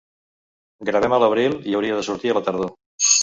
Gravem a l'abril, i hauria de sortir a la tardor.